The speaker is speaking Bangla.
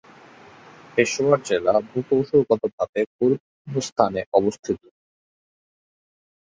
পেশাওয়ার জেলা ভূ-কৌশলগতভাবে গুরুত্বপূর্ণ স্থানে অবস্থিত।